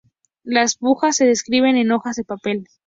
Las pujas se escriben en hojas de papel.